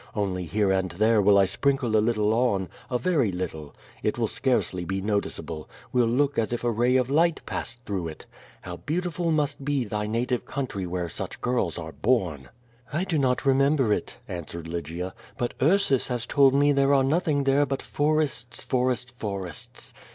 Only here and there will I sprinkle a little on — ^a very little. It will scarcely be noticeable; will look as if a ray of light passed through it. How beautiful must be thy native country where such girls are bom." "I do not remember it,*' answered Lygia. "But Ursus has told me there are nothing there but forests, forests, forests.